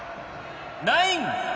ナイン！